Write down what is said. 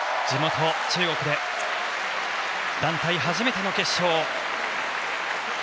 地元・中国で団体初めての決勝。